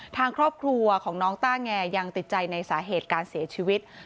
ทางครอบครัวของน้องต้าแงยังติดใจในสาเหตุการเสียชีวิต